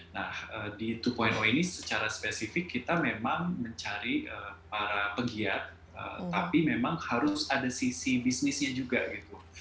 nah di dua ini secara spesifik kita memang mencari para pegiat tapi memang harus ada sisi bisnisnya juga gitu